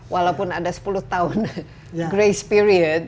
walaupun ada sepuluh tahun grace period